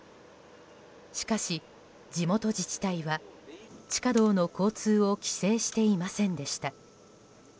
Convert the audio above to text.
しかし地元自治体は地下道の交通を規制していませんでした。